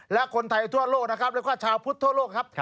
และคนไทยทั่วโลกนะครับแล้วก็ชาวพุทธทั่วโลกครับ